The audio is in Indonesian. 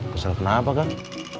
kesel kenapa kang